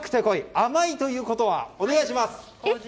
甘いということはお願いします。